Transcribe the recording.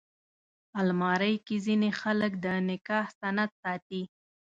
الماري کې ځینې خلک د نکاح سند ساتي